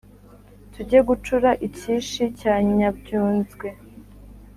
tujye gucura icyishi cya nyabyunzwe.